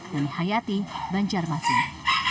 deni hayati banjarmasin